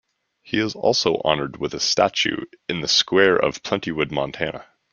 He is also honored with a statue in the square of Plentywood, Montana.